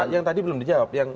yang tadi belum dijawab